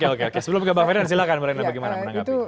oke sebelum kebakaran silahkan mbak reina bagaimana menanggapi